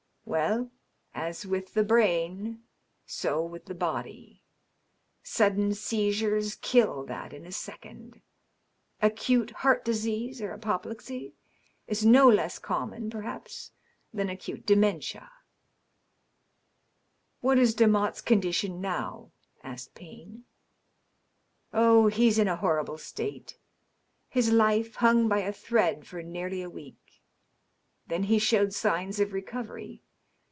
.. Well, as with the brain, so with the body. Sudden seizures kill that in a second. Acute heart disease or apoplexy is no less common, perhaps, than acute dementia." " What is Demotte's condition now ?" asked Payne. ^' Oh, he's in a horrible state. His life hung by a thread for nearly a week. Then he showed signs of recovery.